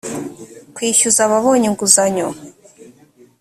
kwishyuza ababonye inguzanyo